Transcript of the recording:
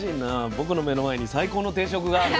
僕の目の前に最高の定食がある。